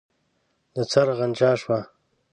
د څرخ غنجا شوه.